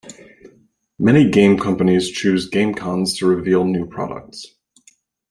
Many game companies choose game cons to reveal new products.